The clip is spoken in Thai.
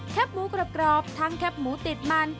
หมูกรอบทั้งแคบหมูติดมัน